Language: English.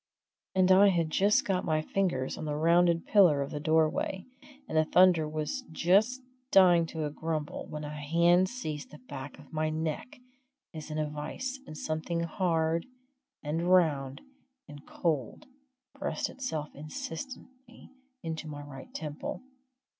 And I had just got my fingers on the rounded pillar of the doorway, and the thunder was just dying to a grumble, when a hand seized the back of my neck as in a vice, and something hard, and round, and cold pressed itself insistingly into my right temple.